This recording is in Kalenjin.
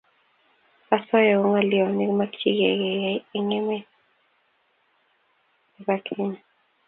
asoya ko ngalyo ne makimache keyai eng emet nenyo nebo kenya